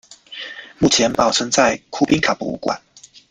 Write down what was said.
目前保存在库宾卡博物馆。